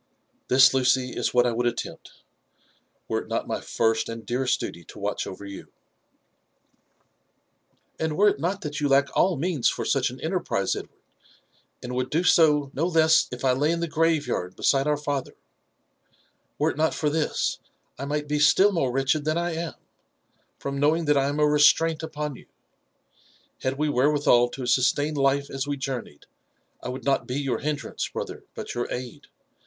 This, Lucy, is what I would attempt^ were it net my first and dearest duty to watch over you." '' And were it not that you lack all means for such an enterprise, Edward, and would do so no less if I lay in the grave yard beside our father ,^^were it not for this, I might be still more wretched than I am, from knowing that I am a restraint upon you* Had we wherewithal to sustain life as we journeyed, I would not be your hindrance, hn^ ther, but your aid.